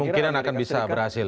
mungkin akan bisa berhasil